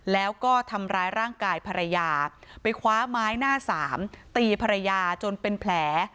แล้วก็ทำร้ายร่างกายภรรยาไปคว้าไม้หน้าสามตีภรรยาจนเป็นแผล